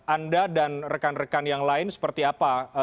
anda dan rekan rekan yang lain seperti apa